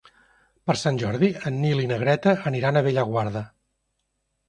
Per Sant Jordi en Nil i na Greta aniran a Bellaguarda.